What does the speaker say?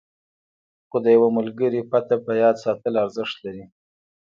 خو د یوه ملګري پته په یاد ساتل ارزښت لري.